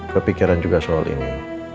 kepikiran juga soal ini